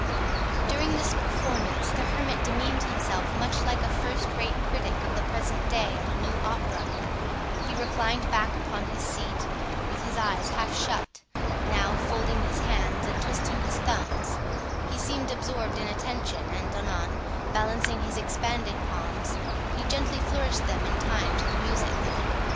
During this performance, the hermit demeaned himself much like a first rate critic of the present day at a new opera. He reclined back upon his seat, with his eyes half shut; now, folding his hands and twisting his thumbs, he seemed absorbed in attention, and anon, balancing his expanded palms, he gently flourished them in time to the music.